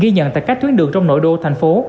ghi nhận tại các tuyến đường trong nội đô thành phố